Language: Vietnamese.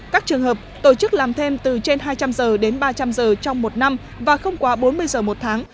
các trường hợp tổ chức làm thêm từ trên hai trăm linh giờ đến ba trăm linh giờ trong một năm và không quá bốn mươi giờ một tháng